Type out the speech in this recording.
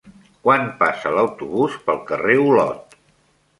Quan passa l'autobús pel carrer Olot?